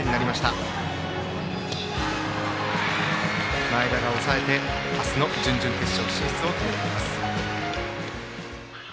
最後は前田が抑えて、明日の準々決勝進出を決めています。